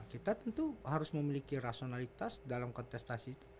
kita tentu harus memiliki rasionalitas dalam kontestasi itu